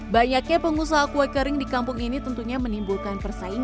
banyaknya pengusaha kue kering di kampung ini tentunya menimbulkan persaingan